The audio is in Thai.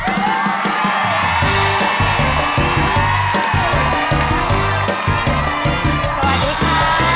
สวัสดีค่ะ